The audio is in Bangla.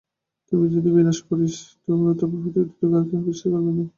তুই যদি আমাকে বিনাশ করিস, তবে পৃথিবীতে তোকে আর কেহ বিশ্বাস করিবে না।